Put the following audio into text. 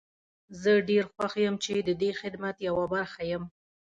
زه ډير خوښ يم چې ددې خدمت يوه برخه يم.